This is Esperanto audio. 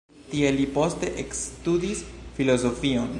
Tie li poste ekstudis filozofion.